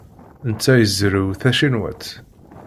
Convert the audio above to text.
Netta izerrew tacinwat.